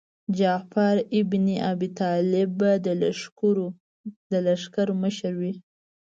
جعفر ابن ابي طالب به د لښکر مشر وي.